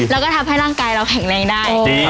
แล้วก็ทำให้ร่างกายเราแข็งแรงได้